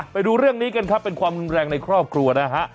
ไปดูเรื่องนี้กันครับเป็นความรุนแรงในครอบครัวนะฮะ